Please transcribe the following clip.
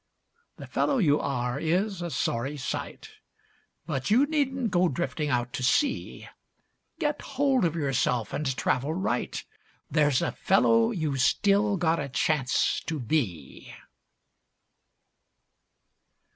The fellow you are is a sorry sight, But you needn't go drifting out to sea. Get hold of yourself and travel right; There's a fellow you've still got a chance to be."